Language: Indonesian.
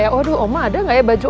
aduh oma ada gak ya baju